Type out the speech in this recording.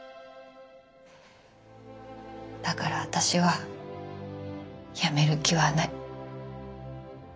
だから私はやめる気はない。